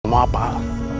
lu mau apa al